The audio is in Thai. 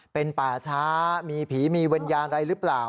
เป็นป่าช้ามีผีมีวิญญาณอะไรหรือเปล่า